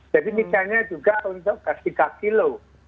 jadi misalnya juga untuk gas tiga kilo